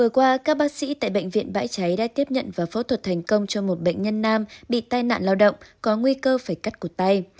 qua các bác sĩ tại bệnh viện bãi cháy đã tiếp nhận và phẫu thuật thành công cho một bệnh nhân nam bị tai nạn lao động có nguy cơ phải cắt cổt tay